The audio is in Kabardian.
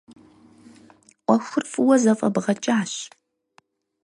Ӏуэхур фӏыуэ зэфӏэбгъэкӏащ.